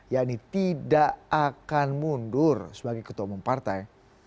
yakni tidak akan mundur sebagai ketua umum partai